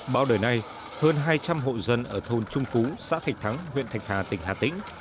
báo đời này hơn hai trăm linh hộ dân ở thôn trung cú xã thạch thắng huyện thành hà tỉnh hà tĩnh